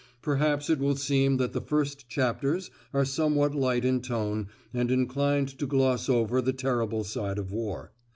Perhaps it will seem that the first chapters are somewhat light in tone and inclined to gloss over the terrible side of War.